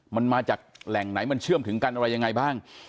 มันมาจากแหล่งไหนมันเชื่อมถึงกันอะไรยังไงบ้าง